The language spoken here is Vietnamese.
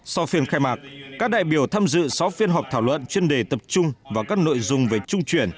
sau phiên khai mạc các đại biểu tham dự sáu phiên họp thảo luận chuyên đề tập trung vào các nội dung về trung chuyển